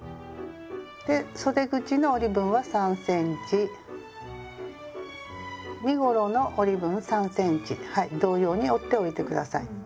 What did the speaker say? でそで口の折り分は３ｃｍ身ごろの折り分３ｃｍ同様に折っておいてください。